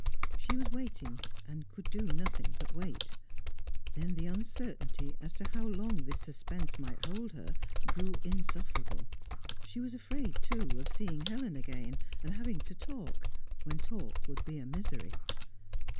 She was waiting, and could do nothing but wait. Then the uncertainty as to how long this suspense might hold her grew insufferable; she was afraid too, of seeing Helen again, and having to talk, when talk would be misery.